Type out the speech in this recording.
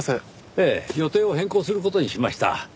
ええ予定を変更する事にしました。